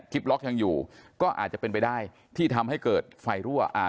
ล็อกยังอยู่ก็อาจจะเป็นไปได้ที่ทำให้เกิดไฟรั่วอ่า